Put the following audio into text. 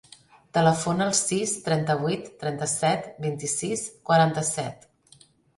Telefona al sis, trenta-vuit, trenta-set, vint-i-sis, quaranta-set.